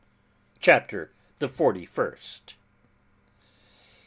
CHAPTER THE FORTY FIRST.